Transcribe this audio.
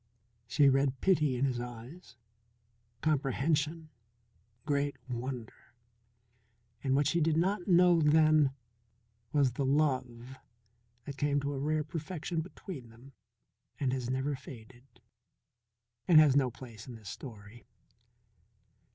She read pity in his eyes, comprehension, great wonder, and what she did not know then was the love that came to a rare perfection between them and has never faded and has no place in this story.